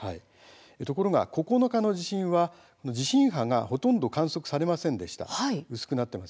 ところが９日の地震は地震波がほとんど観測されませんでした。